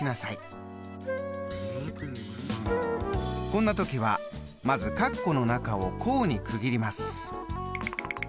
こんな時はまず括弧の中を項に区切ります。